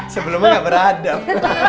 sebelumnya gak beradab